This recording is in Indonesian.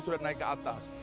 sudah naik ke atas